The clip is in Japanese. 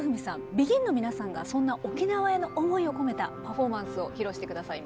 ＢＥＧＩＮの皆さんがそんな沖縄への思いを込めたパフォーマンスを披露して下さいました。